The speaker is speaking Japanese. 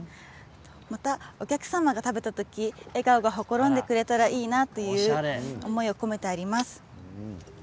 また、お客様が食べた時笑顔がほころんでくれたらいいなという思いを込めてあります。